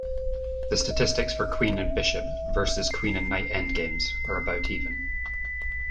The statistics for queen and bishop versus queen and knight endgames are about even.